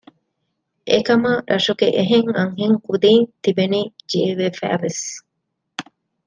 އެކަމާ ރަށުގެ އެހެން އަންހެން ކުދީން ތިބެނީ ޖޭވެފައިވެސް